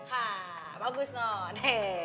hah bagus non